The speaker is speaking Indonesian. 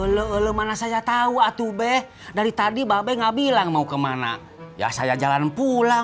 lu mana saja tahu atuh be dari tadi babay nggak bilang mau kemana ya saya jalan pulang